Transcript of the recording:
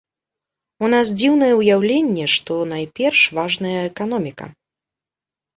У нас дзіўнае ўяўленне, што найперш важная эканоміка.